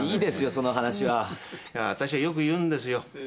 その話は。あたしはよく言うんですよ。